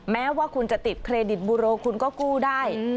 แม้ว่าคุณจะติดเครดิตบูโรคุณก็กู้ได้